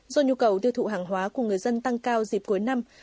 do nhu cầu tiêu thụ hàng hóa của người dân tăng cao dịp cuối năm